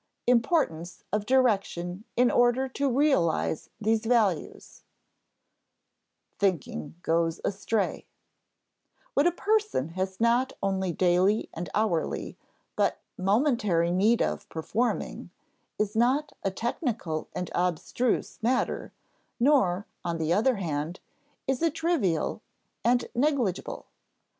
Importance of Direction in order to Realize these Values [Sidenote: Thinking goes astray] What a person has not only daily and hourly, but momentary need of performing, is not a technical and abstruse matter; nor, on the other hand, is it trivial and negligible.